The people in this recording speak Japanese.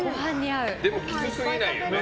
でも、きつすぎないよね